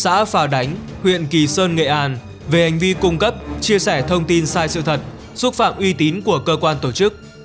sinh năm một nghìn chín trăm chín mươi bảy chú bản phà khảo xã phà đánh huyện kỳ sơn nghệ an về hành vi cung cấp chia sẻ thông tin sai sự thật xúc phạm uy tín của cơ quan tổ chức